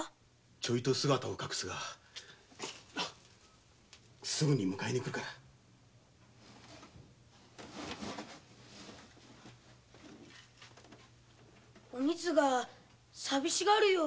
ちょっと姿を隠すがすぐ迎えに来おみつが寂しがるよ